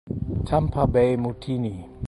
Tampa Bay Mutiny